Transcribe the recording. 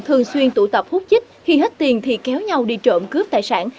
thường xuyên tụ tập hút chích khi hết tiền thì kéo nhau đi trộm cướp tài sản